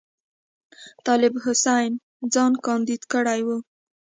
طالب حسین ځان کاندید کړی وو.